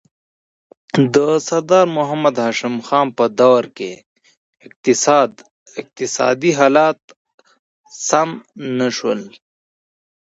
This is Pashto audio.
د سردار محمد هاشم خان په دوره کې اقتصادي حالات سم نه شول.